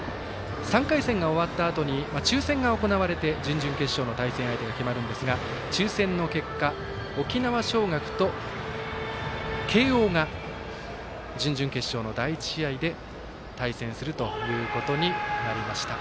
３回戦が終わったあとに抽せんが行われて準々決勝の対戦相手が決まるんですが抽せんの結果、沖縄尚学と慶応が準々決勝の第１試合で対戦するということになりました。